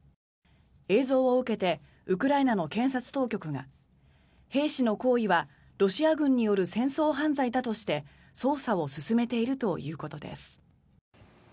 映像を受けてウクライナの検察当局が兵士の行為はロシア軍による戦争犯罪だとして捜査を進めているということです。